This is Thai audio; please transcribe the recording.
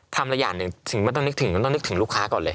ทำตัวอย่างหนึ่งต้องนึกถึงลูกค้าก่อนเลย